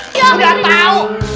sudah tau udah